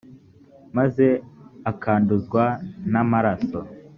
maze akanduzwa n amaraso